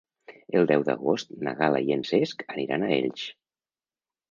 El deu d'agost na Gal·la i en Cesc aniran a Elx.